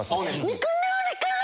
肉料理から！